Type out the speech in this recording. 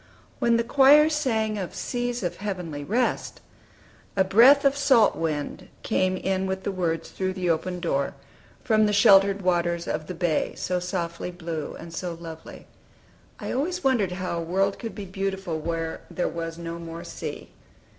When the choir sang of "Seas of heavenly rest," a breath of salt wind came in with the words through the open door, from the sheltered waters of the bay, so softly blue and so lovely, I always wondered how a world could be beautiful where "there was no more sea."